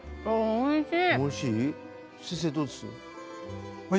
おいしい。